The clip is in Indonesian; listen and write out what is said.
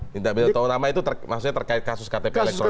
tindak pidana utama itu maksudnya terkait kasus ktp elektronik